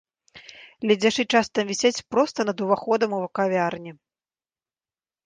Ледзяшы часам вісяць проста над уваходам у кавярні.